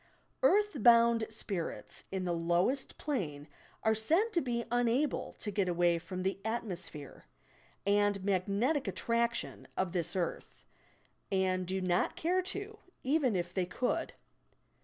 "Earth bound spirits" in the lowest plane are said to be unable to get away from the "atmosphere" and "magnetic attraction" of this earth, and do not care to, even if they could.